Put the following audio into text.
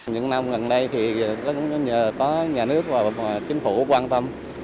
những năm gần đây thì có nhà nước và chính phủ quan tâm